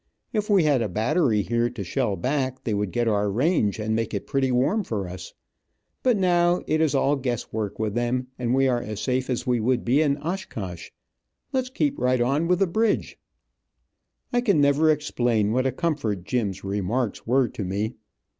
If we had a battery here to shell back, they would get our range, and make it pretty warm for us. But now it is all guess work with them, and we are as safe as we would be in Oshkosh. Let's keep right on with the bridge." I never can explain what a comfort Jim's remarks were to me.